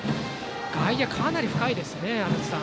外野がかなり深いです。